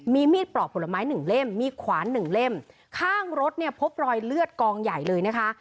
มีมีดปลอกผลไม้หนึ่งเล่มมีขวานหนึ่งเล่มข้างรถเนี่ยพบรอยเลือดกองใหญ่เลยนะคะ